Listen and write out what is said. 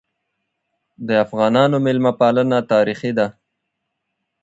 د افغانانو مېلمه پالنه تاریخي ده.